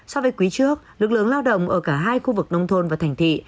so với quý trước lực lượng lao động ở cả hai khu vực nông thôn và thành thị